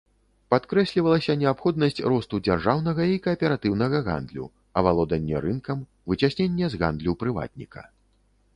Падкрэслівалася неабходнасць росту дзяржаўнага і кааператыўнага гандлю, авалоданне рынкам, выцясненне з гандлю прыватніка.